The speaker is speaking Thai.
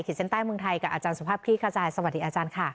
เขตเซ็นต์ใต้เมืองไทยกับอาจารย์สภาพพิธีค่ะสวัสดีอาจารย์ค่ะ